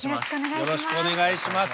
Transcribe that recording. よろしくお願いします。